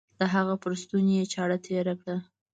د هغه پر ستوني يې چاړه تېره کړه.